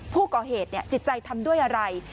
ผู้ก่อเหตุจิตใจทำด้วยอะไร